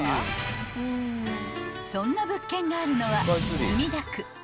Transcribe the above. ［そんな物件があるのは］